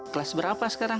kelas berapa sekarang